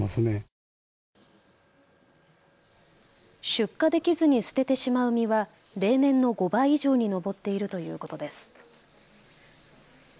出荷できずに捨ててしまう実は例年の５倍以上に上っているということです。